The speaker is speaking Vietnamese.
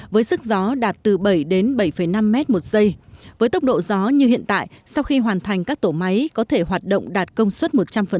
tốc độ gió như hiện tại sau khi hoàn thành các tổ máy có thể hoạt động đạt công suất một trăm linh